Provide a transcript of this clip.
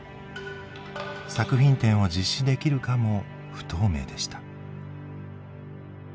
作品展を実施できるかも不透明でした。